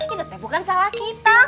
itu teh bukan salah kita